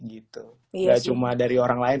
gitu gak cuma dari orang lain